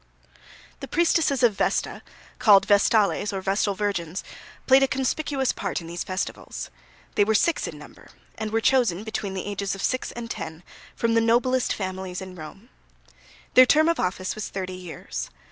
The priestesses of Vesta, called Vestales or Vestal Virgins, played a conspicuous part in these festivals. They were six in number, and were chosen between the ages of six and ten from the noblest families in Rome. Their term of office was thirty years.